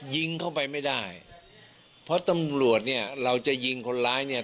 ยิงเข้าไปไม่ได้เพราะตำรวจเนี่ยเราจะยิงคนร้ายเนี่ย